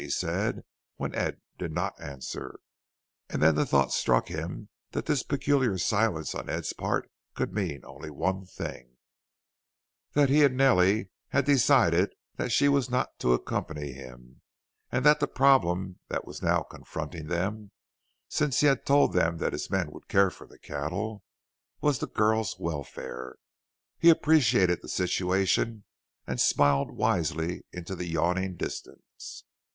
he said when Ed did not answer. And then the thought struck him that this peculiar silence on Ed's part could mean only one thing that he and Nellie had decided that she was not to accompany him, and that the problem that was now confronting them since he had told them that his men would care for the cattle was the girl's welfare. He appreciated the situation and smiled wisely into the yawning distance.